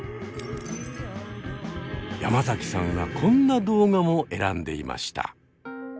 山崎さんはこんな動画も選んでいました。